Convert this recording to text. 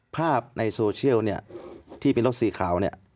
ภาพในโซเชียลที่เป็นลบสีขาว